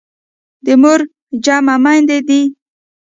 د مور جمع میندي دي.